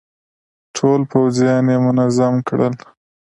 ټول پوځيان يې منظم کړل.